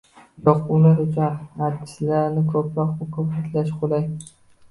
Yo‘q, ular uchun artistlarni ko‘proq mukofotlash qulay.